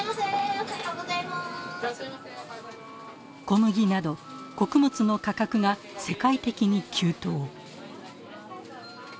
小麦など穀物の価格が世界的に急騰。